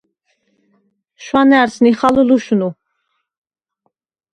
შვანა̈რს ნიხალ ლუშნუ.